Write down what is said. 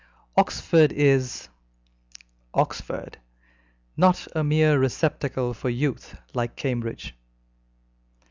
Oxford is Oxford: not a mere receptacle for youth, like Cambridge.